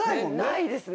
ないですね。